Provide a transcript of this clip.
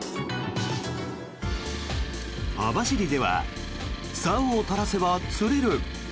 網走ではさおを垂らせば釣れる。